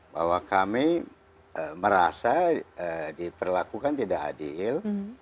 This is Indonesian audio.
bahwa kami merasa diperlakukan tidak adil